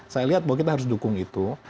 saya lihat bahwa kita harus dukung itu